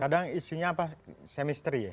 kadang isunya apa semisteri ya